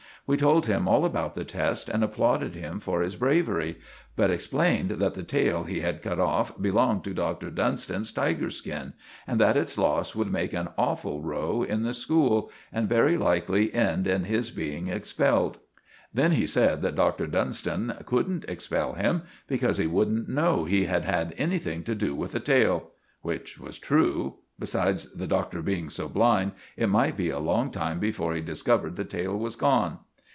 We told him all about the test, and applauded him for his bravery, but explained that the tail he had cut off belonged to Dr. Dunstan's tiger skin, and that its loss would make an awful row in the school, and very likely end in his being expelled. Then he said that Dr. Dunstan couldn't expel him, because he wouldn't know he had had anything to do with the tail. Which was true; besides, the Doctor being so blind, it might be a long time before he discovered the tail was gone.